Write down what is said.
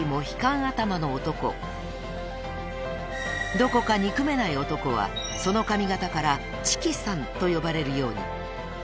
［どこか憎めない男はその髪形からチキさんと呼ばれるように］